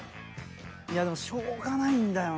いやでもしょうがないんだよな。